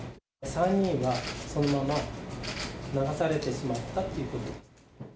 ３人は、そのまま流されてしまったということです。